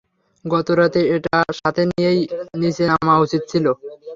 গত রাতে এটা সাথে নিয়েই নিচে নামা উচিত ছিল!